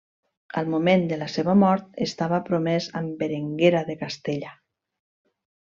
Al moment de la seva mort estava promés amb Berenguera de Castella.